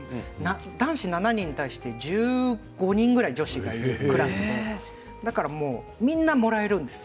男子７人に対して１５人ぐらい女子がいてみんなもらえるんです。